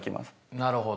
なるほど。